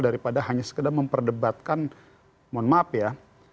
daripada hanya sekedar memperdebatkan mohon maaf ya